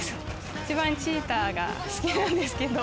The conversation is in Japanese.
一番チーターが好きなんですけれども。